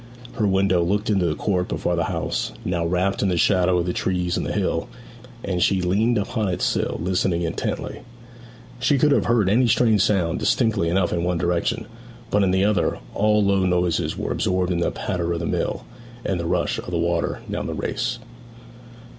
Her window looked into the court before the house, now wrapped in the shadow of the trees and the hill; and she leaned upon its sill listening intently. She could have heard any strange sound distinctly enough in one direction; but in the other all low noises were absorbed in the patter of the mill, and the rush of water down the race.